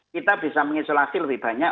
kita bisa mengisolasi lebih banyak